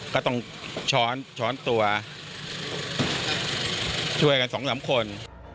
ก็ต้องช้อนตัวช่วยกันสองสามคน